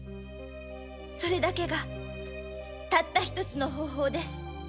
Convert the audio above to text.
それだけがたった一つの方法です。